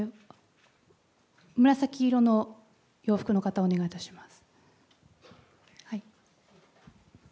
紫色の洋服の方、お願いいたします。